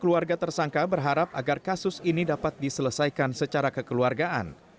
keluarga tersangka berharap agar kasus ini dapat diselesaikan secara kekeluargaan